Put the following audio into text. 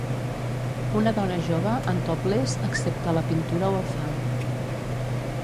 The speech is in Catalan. Una dona jove, en topless, excepte la pintura o el fang.